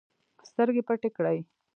سترګې پټې کړې